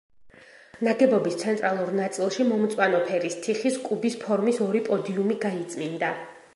ნაგებობის ცენტრალურ ნაწილში მომწვანო ფერის თიხის, კუბის ფორმის ორი პოდიუმი გაიწმინდა.